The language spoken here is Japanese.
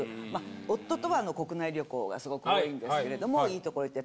夫とは国内旅行がすごく多いんですけれどもいい所行って。